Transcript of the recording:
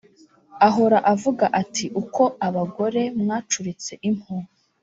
Ahora avuga ati Uko abagore mwacuritse impu,